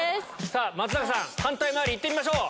さぁ松坂さん反対回り行ってみましょう。